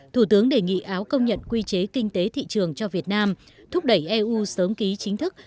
thủ tướng đề nghị áo công nhận quy chế kinh tế thị trường cho việt nam thúc đẩy eu sớm ký chính thức